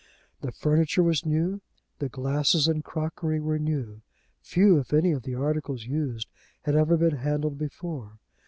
The furniture was new, the glasses and crockery were new. Few, if any, of the articles used, had ever been handled before.